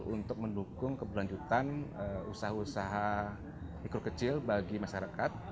untuk mendukung keberlanjutan usaha usaha mikro kecil bagi masyarakat